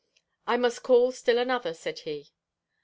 'I must call still another,' said he.